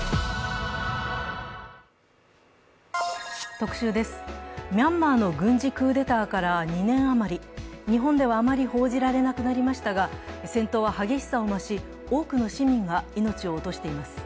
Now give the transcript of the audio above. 特集です、ミャンマーの軍事クーデターから２年余り、日本ではあまり報じられなくなりましたが、戦闘は激しさを増し、多くの市民が命を落としています。